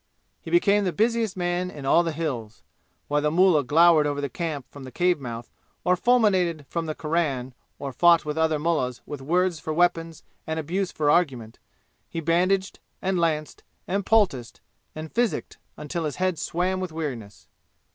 He became the busiest man in all the "Hills." While the mullah glowered over the camp from the cave mouth or fulminated from the Quran or fought with other mullahs with words for weapons and abuse for argument, he bandaged and lanced and poulticed and physicked until his head swam with weariness.